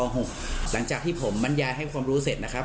หลังจากที่ผมบรรยายให้ความรู้เสร็จนะครับ